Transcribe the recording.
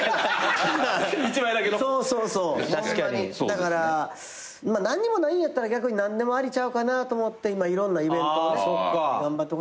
だから何にもないんやったら逆に何でもありちゃうかなと思って今いろんなイベントを頑張ってほしいなと。